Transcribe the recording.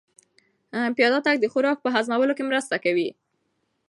پیاده تګ د خوراک په هضمولو کې مرسته کوي.